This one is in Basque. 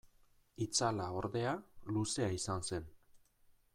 Itzala, ordea, luzea izan zen.